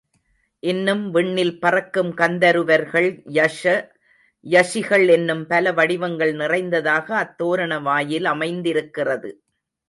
இன்னும் விண்ணில் பறக்கும் கந்தருவர்கள், யக்ஷ யக்ஷிகள் என்னும் பல வடிவங்கள் நிறைந்ததாக அத்தோரண வாயில் அமைந்திருக்கிறது.